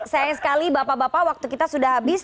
sayang sekali bapak bapak waktu kita sudah habis